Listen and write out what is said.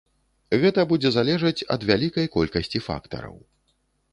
Гэта будзе залежаць ад вялікай колькасці фактараў.